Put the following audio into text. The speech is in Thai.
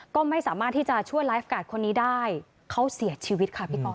ก็ไม่สามารถที่จะช่วยไลฟ์การ์ดคนนี้ได้เขาเสียชีวิตค่ะพี่ป๊อ